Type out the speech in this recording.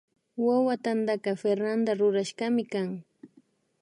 Wawa tantaka Fernada rurashkami kan